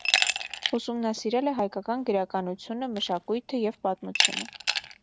Ուսումնասիրել է հայկական գրականությունը, մշակույթը և պատմությունը։